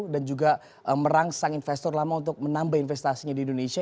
dan juga merangsang investor lama untuk menambah investasinya di indonesia